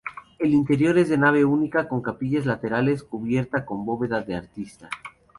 El interior es de nave única con capillas laterales, cubierta con bóveda de arista.